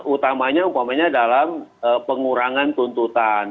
utamanya umpamanya dalam pengurangan tuntutan